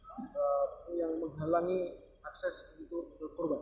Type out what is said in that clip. yang menghalangi akses untuk korban